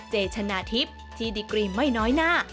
เจชนะทิพย์ที่ดีกรีมไม่น้อยหน้า